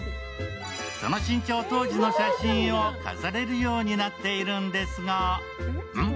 その身長当時の写真を飾れるようになっているんですがん？